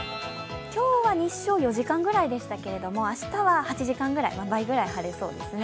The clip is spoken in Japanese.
今日は日照、４時間ぐらいでしたけど明日は８時間くらい、倍くらい晴れそうですね。